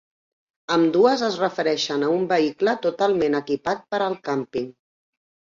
Ambdues es refereixen a un vehicle totalment equipat per al camping.